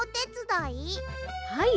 はい。